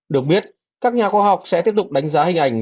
được biết các nhà khoa học sẽ tiếp tục đánh giá hình ảnh